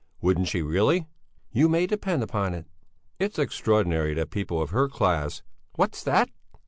"Wouldn't she really?" "You may depend upon it." "It's extraordinary that people of her class " "What's that?"